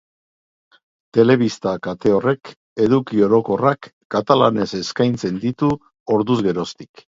Telebista kate horrek eduki orokorrak katalanez eskaintzen ditu orduz geroztik.